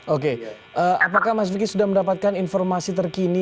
oke apakah mas vicky sudah mendapatkan informasi terkini